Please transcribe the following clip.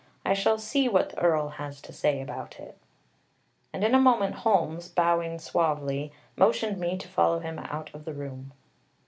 I shall see what the Earl has to say about it." And in a moment Holmes, bowing suavely, motioned me to follow him out of the room.